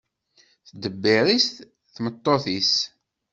Teddebbir-it tmeṭṭut-is.